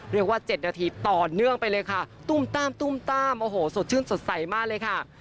เรียกว่า๗นาทีต่อเนื่องไปเลยค่ะตุ้มตามตุ้มต้ามโอ้โหสดชื่นสดใสมากเลยค่ะ